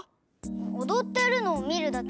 おどってるのをみるだけ？